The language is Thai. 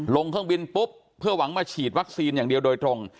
ลงเครื่องบินปุ๊บเพื่อหวังมาฉีดวัคซีนอย่างเดียวโดยตรง